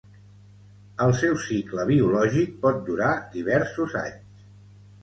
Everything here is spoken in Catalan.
El seu cicle biològic pot durar diversos anys.